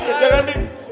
pada apa andri itu